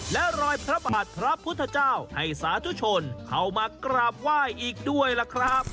และรอยพระบาทพระพุทธเจ้าให้สาธุชนเข้ามากราบไหว้อีกด้วยล่ะครับ